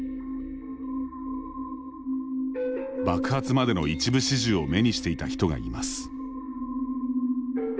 爆発までの一部始終を目にしていた人がいます。